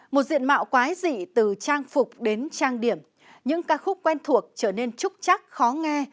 một diện mạo quái dị từ trang phục đến trang điểm những ca khúc quen thuộc trở nên trúc chắc khó nghe